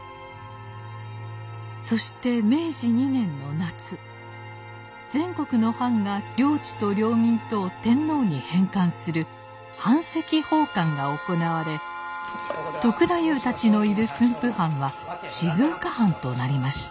そして明治二年の夏全国の藩が領地と領民とを天皇に返還する版籍奉還が行われ篤太夫たちのいる駿府藩は静岡藩となりました。